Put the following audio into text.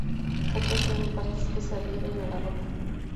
Otras tienen partes que se adhieren a la ropa.